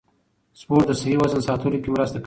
سپورت د صحي وزن ساتلو کې مرسته کوي.